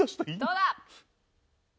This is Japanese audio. どうだ？